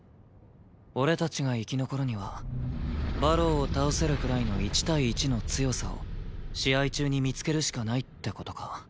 俺たちが生き残るには馬狼を倒せるくらいの１対１の強さを試合中に見つけるしかないって事か。